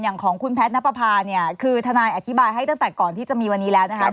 ของคุณแพทย์นับประพาเนี่ยคือทนายอธิบายให้ตั้งแต่ก่อนที่จะมีวันนี้แล้วนะครับ